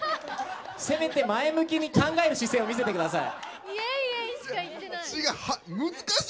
せめて前向きに考える姿勢を見せてください！